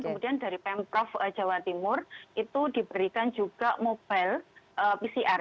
kemudian dari pemprov jawa timur itu diberikan juga mobile pcr